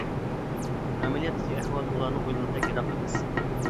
ئەمەلىيەتتىكى ئەھۋال ئۇلارنىڭ ئويلىغىنىدەك يىراق ئەمەس.